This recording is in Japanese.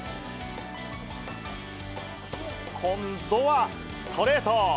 今度はストレート。